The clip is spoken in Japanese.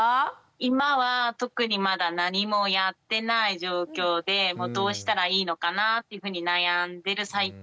今は特にまだ何もやってない状況でどうしたらいいのかなっていうふうに悩んでる最中ですね。